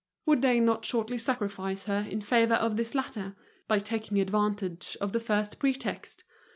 Would they not shortly sacrifice her in favor of this latter, by taking advantage of the first pretext?